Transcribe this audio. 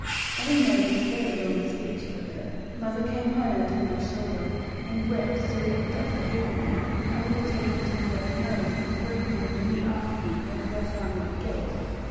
Having made this very long speech (for her), mother came home upon my shoulder, and wept so that (but for heeding her) I would have taken Tom by the nose, and thrown him, and Winnie after him, over our farm yard gate.